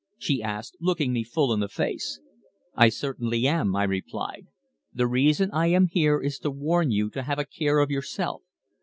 she asked, looking me full in the face. "I certainly am," I replied. "The reason I am here is to warn you to have a care of yourself.